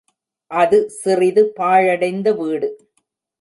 அது சிறிது பாழடைந்த வீடு.